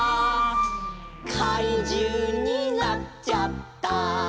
「かいじゅうになっちゃった」